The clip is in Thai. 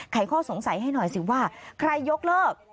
ข้อสงสัยให้หน่อยสิว่าใครยกเลิก